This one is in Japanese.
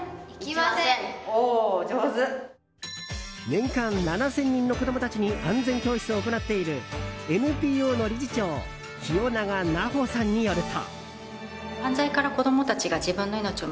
年間７０００人の子供たちに安全教室を行っているＮＰＯの理事長清永奈穂さんによると。